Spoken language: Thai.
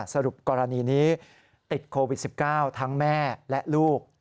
สรุปกรณีนี้ติดโควิด๑๙ทั้งแม่และลูก